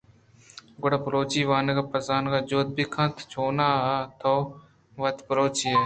گڑا بلوچی وانگ بہ زان ءُ جھد بہ کن، چوناھا تو وت بلوچے ئے